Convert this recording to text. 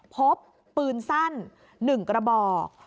พบปืนสั้น๑กระบอก